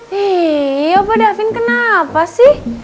hei opo daffy kenapa sih